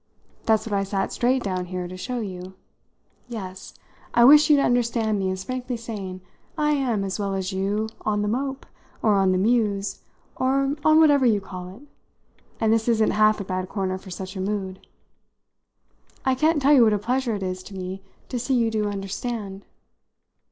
That's what I sat straight down here to show you. 'Yes,' I wished you to understand me as frankly saying, 'I am, as well as you, on the mope, or on the muse, or on whatever you call it, and this isn't half a bad corner for such a mood.' I can't tell you what a pleasure it is to me to see you do understand."